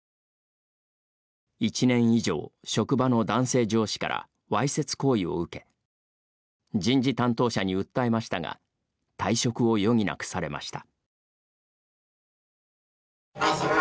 １年以上、職場の男性上司からわいせつ行為を受け人事担当者に訴えましたが退職を余儀なくされました。